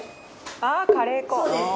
ああカレー粉。